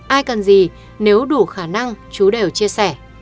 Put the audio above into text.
ai cần gì nếu đủ khả năng chú đều chia sẻ